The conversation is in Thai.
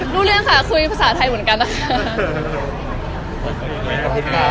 รู้เรื่องค่ะคุยภาษาไทยเหมือนกันนะคะ